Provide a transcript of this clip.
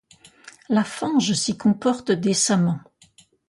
La fange s'y comporte décemment.